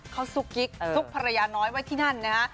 เขาซุกกิ๊กซุกภรรยาน้อยไว้ที่นั่นนะฮะ